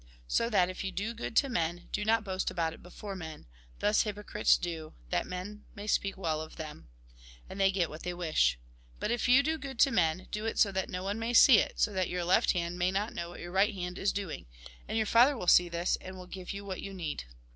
So that, if you do good to men, do not boast about it before men. Thus hypocrites do, that men may speak well of them. And they get what they wish. But if you do good to men, do it so that no one may see it, so that your left 56 THE GOSPEL IN BRIEF hand may not know what your right hand is doing. And your Father will see this, and will give you what you need.